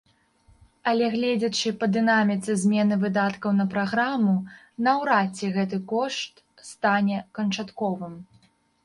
Але гледзячы па дынаміцы змены выдаткаў на праграму, наўрад ці гэты кошт стане канчатковым.